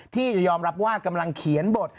ที่ยอมรับว่ากำลังเขียนบท